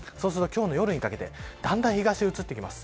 今日の夜にかけてだんだん東に移ってきます。